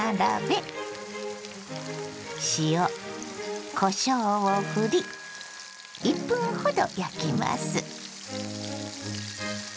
塩こしょうをふり１分ほど焼きます。